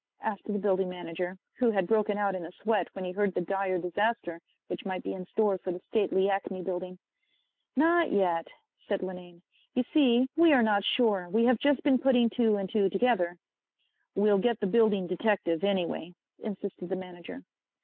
asked the building manager, who had broken out in a sweat when he heard the dire disaster which might be in store for the stately Acme building. "Not yet," said Linane. "You see, we are not sure: we have just been putting two and two together." "We'll get the building detective, anyway," insisted the manager.